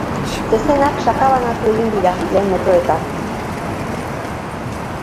Zezenak sakabanatu egin dira lehen metroetan.